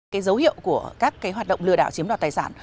cái dấu hiệu của các cái hoạt động lừa đảo chiếm đoạt tài sản